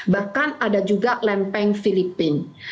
bahkan ada juga lempeng filipina